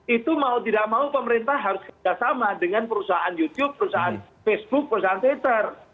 itu mau tidak mau pemerintah harus kerjasama dengan perusahaan youtube perusahaan facebook perusahaan twitter